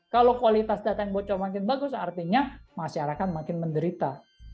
kalau kualitas data yang bocor makin bagus artinya masyarakat makin menderita